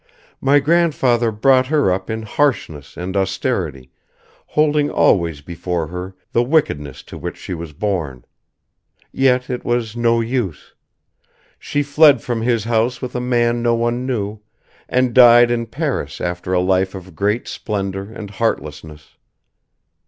My grandfather brought her up in harshness and austerity, holding always before her the wickedness to which she was born. Yet it was no use. She fled from his house with a man no one knew, and died in Paris after a life of great splendor and heartlessness.